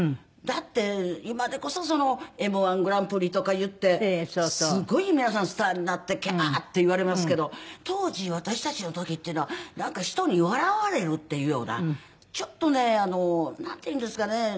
だって今でこそＭ−１グランプリとかいってすごい皆さんスタイルになってキャーッて言われますけど当時私たちの時っていうのはなんか人に笑われるっていうようなちょっとねなんていうんですかね。